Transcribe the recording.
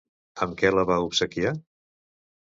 Amb què la va obsequiar?